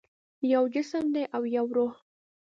یو جسم دی او یو روح